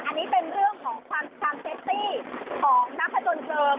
อันนี้เป็นเรื่องของความเซ็กซี่ของนักพจนเพลิง